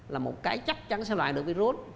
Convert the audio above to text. là một cái chắc chắn sẽ loại được virus